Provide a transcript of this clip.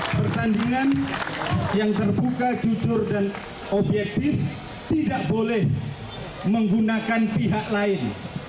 pertandingan yang terbuka jujur dan objektif tidak boleh menggunakan pihak lain